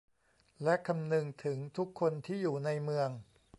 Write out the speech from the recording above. และคำนึงถึงทุกคนที่อยู่ในเมือง